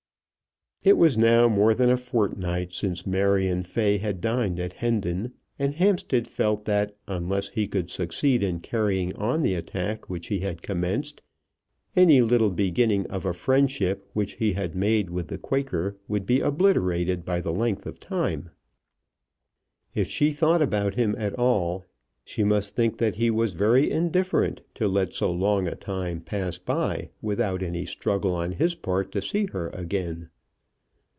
It was now more than a fortnight since Marion Fay had dined at Hendon, and Hampstead felt that unless he could succeed in carrying on the attack which he had commenced, any little beginning of a friendship which he had made with the Quaker would be obliterated by the length of time. If she thought about him at all, she must think that he was very indifferent to let so long a time pass by without any struggle on his part to see her again.